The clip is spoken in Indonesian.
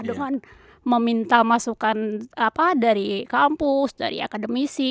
dengan meminta masukan dari kampus dari akademisi